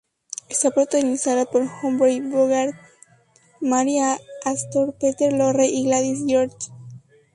Está protagonizada por Humphrey Bogart, Mary Astor, Peter Lorre y Gladys George.